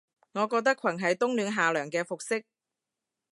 我覺得裙係冬暖夏涼嘅服飾